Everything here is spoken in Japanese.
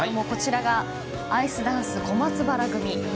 こちらアイスダンス小松原組。